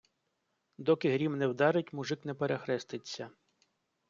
Доки грім не вдарить, мужик не перехреститься.